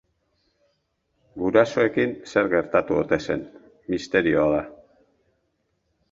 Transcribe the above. Gurasoekin zer gertatu ote zen, misterioa da.